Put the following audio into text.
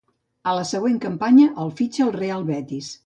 A la següent campanya el fitxa el Real Betis.